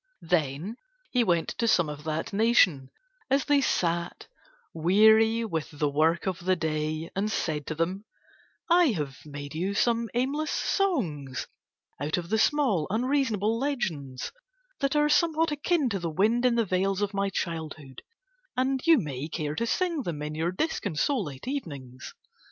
Then he went to some of that nation as they sat weary with the work of the day and said to them: "I have made you some aimless songs out of the small unreasonable legends, that are somewhat akin to the wind in the vales of my childhood; and you may care to sing them in your disconsolate evenings."